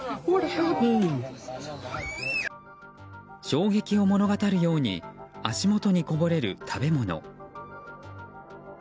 衝撃を物語るように足元にこぼれる食べ物。